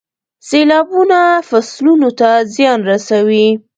سیلابونه فصلونو ته زیان رسوي.